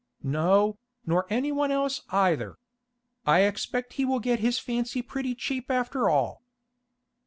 "No, nor anyone else either. I expect he will get his fancy pretty cheap after all."